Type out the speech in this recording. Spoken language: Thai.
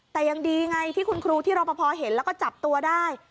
แต่ยังดีไงที่คุณครูที่รอปภเห็นแล้วก็จับตัวได้